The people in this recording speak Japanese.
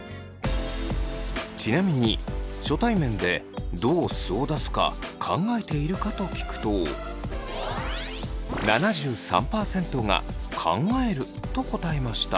ちなみに「初対面でどう素を出すか考えているか？」と聞くと７３％が「考える」と答えました。